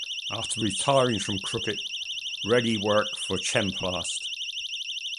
After retiring from cricket, Reddy worked for Chemplast.